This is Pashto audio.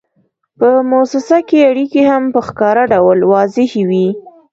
په موسسه کې اړیکې هم په ښکاره ډول واضحې وي.